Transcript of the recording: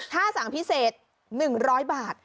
ถ้าสั่งพิเศษ๑๐๐บาท